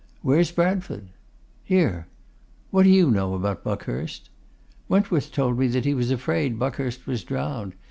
'Where is Bradford?' 'Here.' 'What do you know about Buckhurst?' 'Wentworth told me that he was afraid Buckhurst was drowned.